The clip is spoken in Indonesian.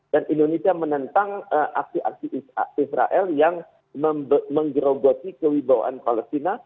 dan indonesia menentang aksi aksi israel yang menggeroboti kewibawaan palestina